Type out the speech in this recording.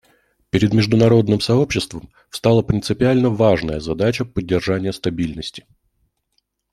Перед международным сообществом встала принципиально важная задача поддержания стабильности.